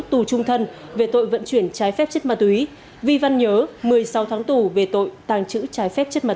tù trung thân về tội vận chuyển trái phép chất ma túy